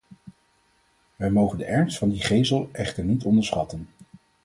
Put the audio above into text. Wij mogen de ernst van die gesel echter niet onderschatten.